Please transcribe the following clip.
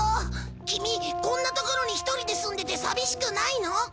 キミこんな所に１人で住んでて寂しくないの？